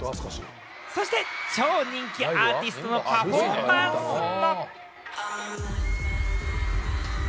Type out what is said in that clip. そして超人気アーティストのパフォーマンスも。